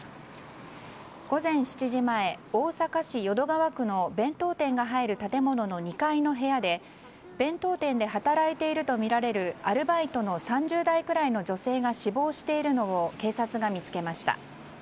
午前７時前大阪市淀川区の弁当店が入る建物の２階の部屋で弁当店で働いているとみられるアルバイトの３０代くらいの女性が死亡しているのを警察が見つけました。